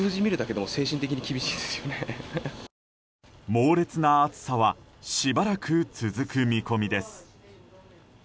猛烈な暑さはしばらく続く見込みです。